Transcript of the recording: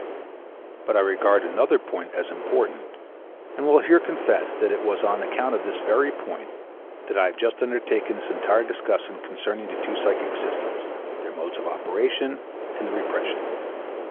But I regard another point as important, and will here confess that it was on account of this very point that I have just undertaken this entire discussion concerning the two psychic systems, their modes of operation, and the repression.